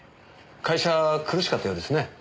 会社苦しかったようですね。